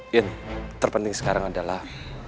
ini terpenting sekarang adalah